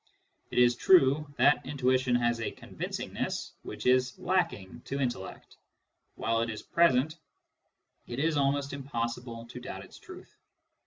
It is true that intuition has a convincingness which is lacking to intellect : while it is present, it is almost impossible to doubt its truth.